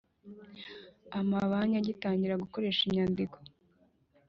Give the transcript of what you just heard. Amabanki agitangira gukoresha inyandiko